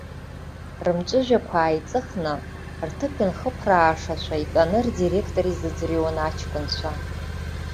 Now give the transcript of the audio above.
Рымҵәыжәҩақәа ааиҵыхны рҭыԥ инхԥраашашәа итәаны рдиректор изыӡырҩуан аҷкәнцәа.